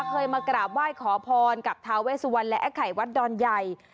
เคยมากราบไหว้ขอพรกับทาเวสุวรรณและไอ้ไข่วัดดอนใหญ่